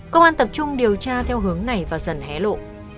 công an tập trung điều tra theo hướng này và dần hé lộ